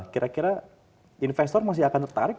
kira kira investor masih akan tertarik